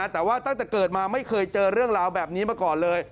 แต่ว่าตั้งแต่เกิดมาไม่เคยเจอเรื่องราวแบบนี้มาก่อนเลย